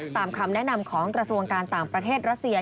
ตามคำแนะนำของกระทรวงการต่างประเทศรัสเซีย